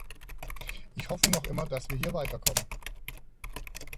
Ich hoffe noch immer, dass wir hier weiterkommen.